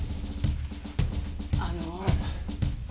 あの。